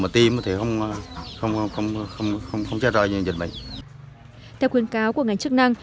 theo khuyên cáo của ngành chức năng